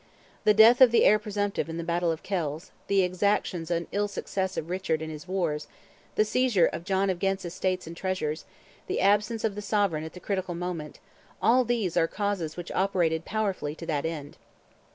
The death of the Heir Presumptive in the battle of Kells; the exactions and ill success of Richard in his wars; the seizure of John of Ghent's estates and treasures; the absence of the sovereign at the critical moment: all these are causes which operated powerfully to that end.